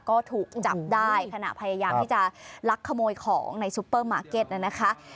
ก็ถูกจับได้ขณะพยายามที่จะลักขโมยของในซุปเปอร์มาร์เก็ตนะคะ